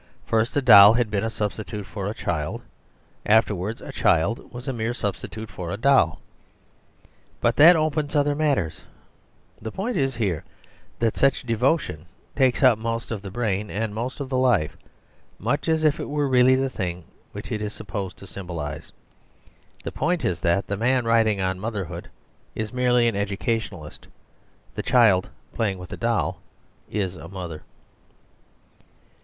First a doll had been a substitute for a child; afterwards a child was a mere substitute for a doll. But that opens other matters; the point is here that such devotion takes up most of the brain and most of the life; much as if it were really the thing which it is supposed to symbolize. The point is that the man writing on motherhood is merely an educationalist; the child playing with a doll is a mother.